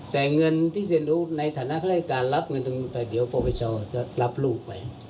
แต่เงินที่เซียนรู้ในฐานะฆฤษการรับเงินตรงนี้ไปเดี๋ยวประวัติศาสตร์จะรับลูกไป